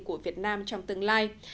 của việt nam trong tương lai